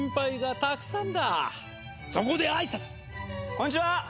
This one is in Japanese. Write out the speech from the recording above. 「こんにちは！